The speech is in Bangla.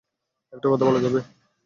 একটা কথা বলা যাবে?